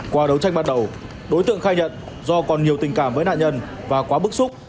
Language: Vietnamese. qua đấu tranh bắt đầu đối tượng khai nhận do còn nhiều tình cảm với nạn nhân và quá bức xúc